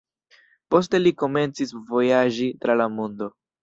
Poste li komencis vojaĝi tra la mondo.